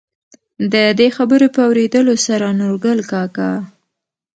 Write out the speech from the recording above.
د دې خبرو په اورېدلو سره نورګل کاکا،